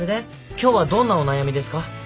今日はどんなお悩みですか？